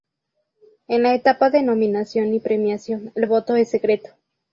En la etapa de nominación y premiación, el voto es secreto.